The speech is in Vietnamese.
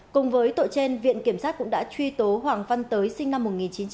cùng với tội trên viện kiểm sát cũng đã truy tố hoàng văn tới sinh năm một nghìn chín trăm bảy mươi